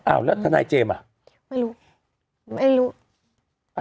อ้าวแล้วทนายเจมส์อ่ะไม่รู้ไม่รู้